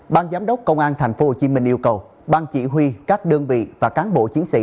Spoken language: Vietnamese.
ban giám đốc công an tp hcm yêu cầu ban chỉ huy các đơn vị và cán bộ chiến sĩ